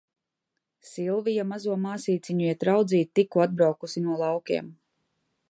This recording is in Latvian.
Silvija mazo māsīciņu iet raudzīt, tikko atbraukusi no laukiem.